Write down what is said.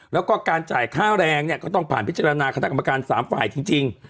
แล้วก็การจ่ายค่าแรงเนี่ยก็ต้องผ่านพิจารณาคณะกรรมการ๓ฝ่ายจริง